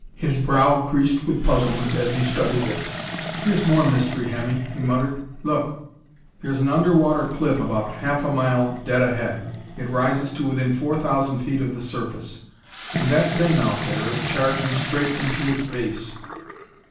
His brow creased with puzzlement as he studied it. "Here's more mystery, Hemmy," he muttered. "Look there's an underwater cliff about half a mile dead ahead. It rises to within four thousand feet of the surface. And that thing out there is charging straight into its base!"